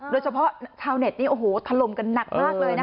โดยเฉพาะชาวเน็ตนี่โอ้โหถล่มกันหนักมากเลยนะคะ